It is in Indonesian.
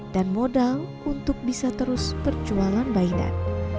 dan modal untuk bisa terus perjualan bayi dan